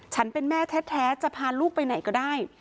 ฉันเป็นแม่แท้จะพาลูกไปไหนก็ได้